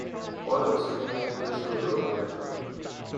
Water was streaming in through a broken window.